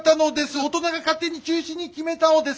大人が勝手に中止に決めたのです。